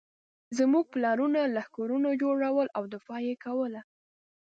زموږ پلرونو لښکرونه جوړول او دفاع یې کوله.